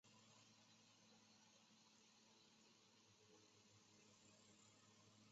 密歇根雄鹿队是一支主场在密歇根庞蒂亚克的英式足球俱乐部。